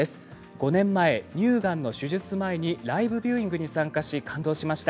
５年前、乳がんの手術前ライブビューイングに参加し感動しました。